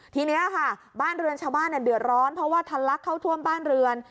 ทีนี้ค่ะบ้านเรือนชาวบ้านเดือดร้อนเพราะว่าทันลักเข้าท่วมบ้านเรือน